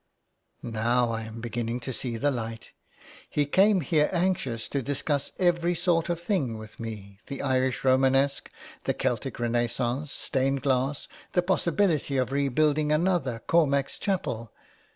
Now I am beginning to see light. He came here anxious to discuss every sort of thing with me, the Irish Romanesque, the Celtic renaissance, stained glass, the possibility of re building another Cormac's Chapel.